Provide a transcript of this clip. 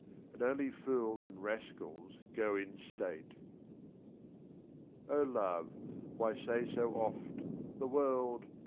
And only fools and rascals go in state. 80 O Love, why say so oft — *the world!